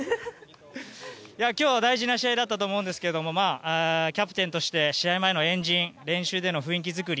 今日は大事な試合だったと思いますけどキャプテンとして試合前の円陣練習での雰囲気づくり